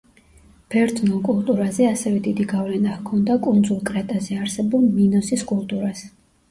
ბერძნულ კულტურაზე ასევე დიდი გავლენა ჰქონდა კუნძულ კრეტაზე არსებულ მინოსის კულტურას.